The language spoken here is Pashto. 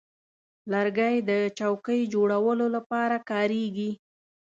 لرګی د چوکۍ جوړولو لپاره کارېږي.